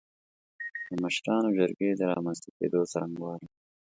د مشرانو جرګې د رامنځ ته کېدو څرنګوالی